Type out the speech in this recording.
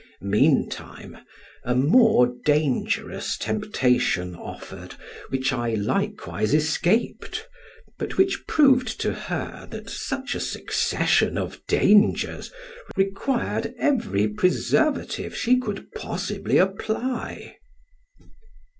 Meantime, a more dangerous temptation offered which I likewise escaped, but which proved to her that such a succession of dangers required every preservative she could possibly apply.